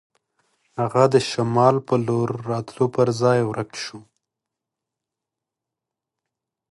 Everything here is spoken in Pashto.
هغه د شمال په لور راتلو پر ځای ورک شو.